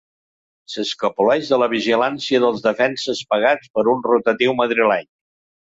S'escapoleix de la vigilància dels defenses pagats per un rotatiu madrileny.